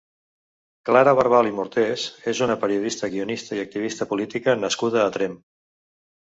Clara Barbal i Mortes és una periodista, guionista i activista política nascuda a Tremp.